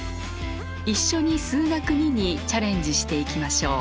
一緒に「数学Ⅱ」にチャレンジしていきましょう。